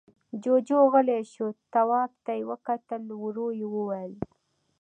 جُوجُو غلی شو، تواب ته يې وکتل، ورو يې وويل: